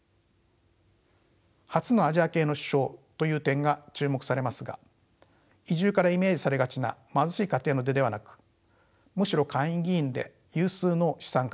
初のアジア系の首相という点が注目されますが移住からイメージされがちな貧しい家庭の出ではなくむしろ下院議員で有数の資産家です。